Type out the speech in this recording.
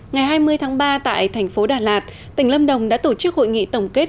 ngày hai mươi tháng ba tại thành phố đà lạt tỉnh lâm đồng đã tổ chức hội nghị tổng kết